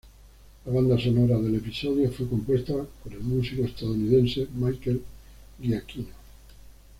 La banda sonora del episodio fue compuesta por el músico estadounidense Michael Giacchino.